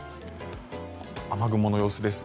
雨雲の様子です。